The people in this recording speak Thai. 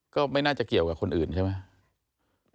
ก็ไม่น่าจะเกี่ยวกับคนอื่นใช่ไหม